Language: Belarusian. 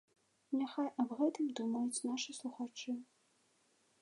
Няхай аб гэтым думаюць нашы слухачы.